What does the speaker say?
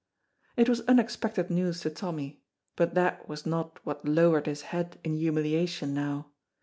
It was unexpected news to Tommy, but that was not what lowered his head in humiliation now.